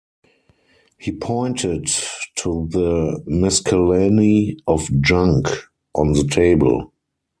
He pointed to the miscellany of junk on the table.